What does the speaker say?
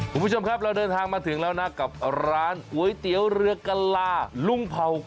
คุณผู้ชมครับเราเดินทางมาถึงแล้วนะกับร้านก๋วยเตี๋ยวเรือกะลาลุงเผ่า